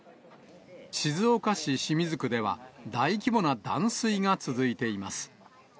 静岡市清水区では、大規模な断水が続いています。